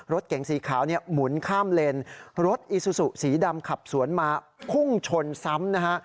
รถเก๋งสีขาวเนี่ยหมุนข้ามเลนรถอีซูซูสีดำขับสวนมาพุ่งชนซ้ำนะฮะ